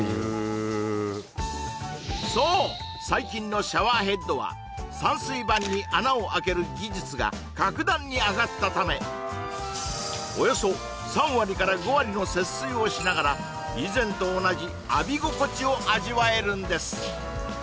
へえそう最近のシャワーヘッドは散水板に穴をあける技術が格段に上がったためおよそ３割５割の節水をしながら以前と同じ浴び心地を味わえるんです